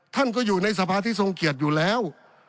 ท่านก็อยู่ในสภาที่ทรงเกียรติอยู่แล้ว